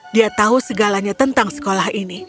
dia tahu segalanya tentang sekolah ini